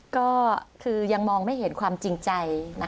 ก็คือยังมองไม่เห็นความจริงใจ